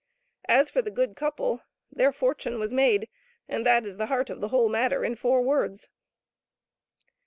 As for the good couple, their fortune was made, and that is the heart of the whole matter in four words.